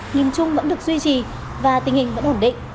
nhìn chung vẫn được duy trì và tình hình vẫn ổn định